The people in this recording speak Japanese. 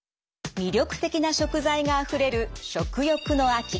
魅力的な食材があふれる食欲の秋。